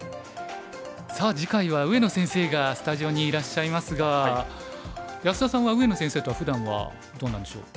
さあ次回は上野先生がスタジオにいらっしゃいますが安田さんは上野先生とはふだんはどうなんでしょう？